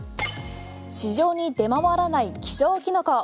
市場に出回らない希少キノコ。